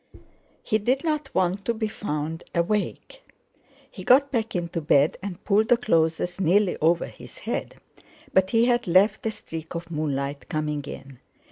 He didn't want to be found awake. He got back into bed and pulled the clothes nearly over his head; but he had left a streak of moonlight coming in.